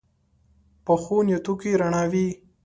پخو نیتونو کې رڼا وي